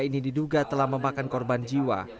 ini diduga telah memakan korban jiwa